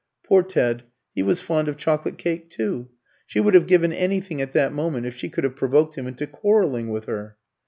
Poor Ted, he was fond of chocolate cake too! She would have given anything at that moment if she could have provoked him into quarrelling with her.